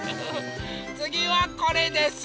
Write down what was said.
つぎはこれです。